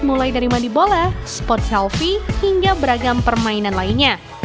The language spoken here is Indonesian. mulai dari mandi bola spot selfie hingga beragam permainan lainnya